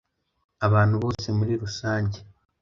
abantu bose muri rusange.